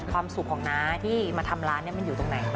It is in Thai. ความสุขของน้าที่มาทำร้านมันอยู่ตรงไหน